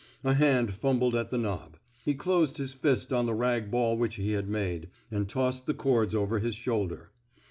A hand fumbled at the knob; he closed his fist on the rag ball which he had made, and tossed the cords over his shoulder.